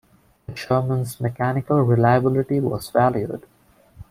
The Sherman's mechanical reliability was valued.